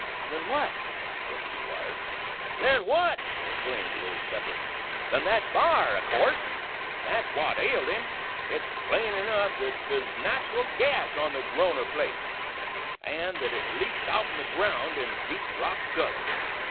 "Than what?" said the Squire. "Than what!" exclaimed the Old Settler. "Than that b'ar, o' course! That's w'at ailed him. It's plain enough th't thuz nat'ral gas on the Groner place, an' th't it leaks outen the ground in Deep Rock Gulley.